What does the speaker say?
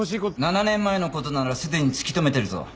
７年前の事ならすでに突き止めてるぞ。